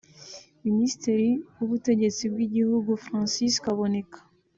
Minisitiri w’ubutegetsi bw’igihugu Francis Kaboneka